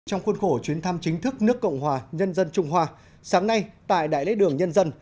trong khuôn khổ chuyến thăm chính thức nước cộng hòa nhân dân trung hoa sáng nay tại đại lễ đường nhân dân